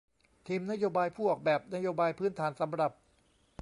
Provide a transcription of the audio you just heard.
ทีมนโยบายผู้ออกแบบนโยบายพื้นฐานสำหรับ